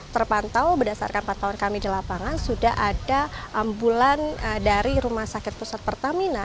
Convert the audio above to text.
terpantau berdasarkan patauan kami di lapangan sudah ada ambulan dari rumah sakit pusat pertamina